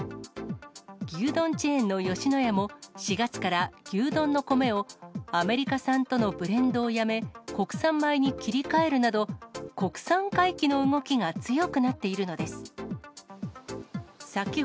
牛丼チェーンの吉野家も、４月から牛丼の米を、アメリカ産とのブレンドをやめ、国産米に切り替えるなど、国産回帰の動きが強くなっているのです。